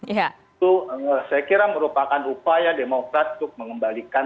itu saya kira merupakan upaya demokrat untuk mengembalikan